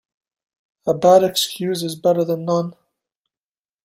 A bad excuse is better then none.